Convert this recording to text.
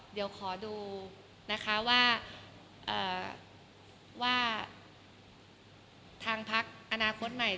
เดี๋ยวขอดูว่าทางพรรคอนาคตใหม่